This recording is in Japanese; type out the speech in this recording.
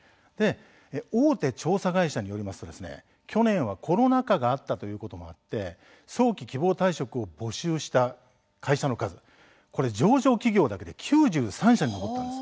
大手調査会社によりますと去年はコロナ禍であったということもあって早期・希望退職を募集した会社の数、上場企業だけで９３社に上ったんです。